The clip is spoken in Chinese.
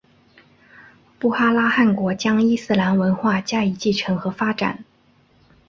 布哈拉汗国将伊斯兰文化加以继承和发展。